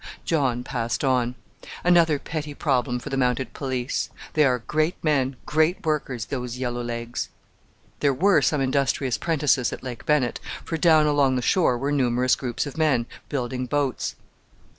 John passed on. Another petty problem for the Mounted Police! They are great men, great workers, those yellow legs! There were some industrious 'prentices at Lake Bennett, for down along the shore were numerous groups of men, building boats.